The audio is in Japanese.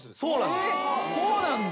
こうなんだ。